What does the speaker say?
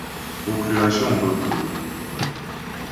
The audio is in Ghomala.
Procurasyɔŋ bə kʉ́ʉ́ ?